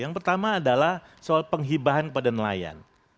yang pertama adalah soal penghibahan kepada nelayan